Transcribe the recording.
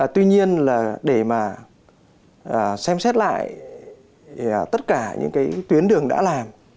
tuy nhiên là để mà xem xét lại tất cả những cái tuyến đường đã làm